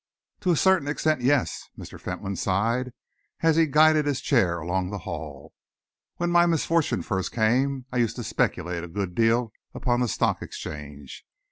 "To a certain extent, yes," Mr. Fentolin sighed, as he guided his chair along the hall. "When my misfortune first came, I used to speculate a good deal upon the Stock Exchange.